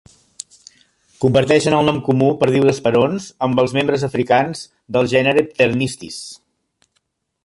Comparteixen el nom comú "perdiu d'esperons" amb els membres africans del gènere Pternistis.